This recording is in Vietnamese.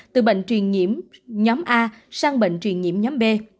từ bệnh truyền nhiễm nhóm a sang bệnh truyền nhiễm nhóm b